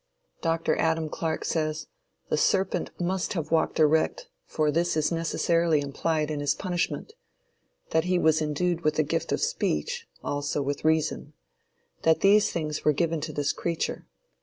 Dr. Adam Clark says: "The serpent must have walked erect, for this is necessarily implied in his punishment. That he was endued with the gift of speech, also with reason. That these things were given to this creature.